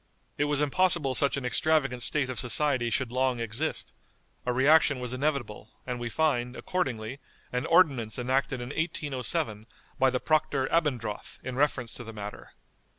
It was impossible such an extravagant state of society should long exist; a reaction was inevitable; and we find, accordingly, an ordinance enacted in 1807 by the Proctor Abendroth in reference to the matter.